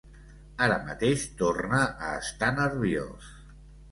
Ara mateix torna a estar nerviós.